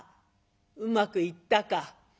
うまくいったか？」。